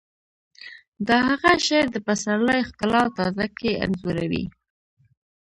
د هغه شعر د پسرلي ښکلا او تازه ګي انځوروي